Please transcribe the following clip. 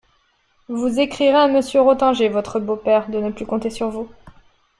Vous écrirez à Monsieur Rothanger, votre beau-père, de ne plus compter sur vous.